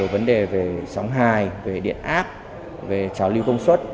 vấn đề về sóng hài về điện áp về trào lưu công suất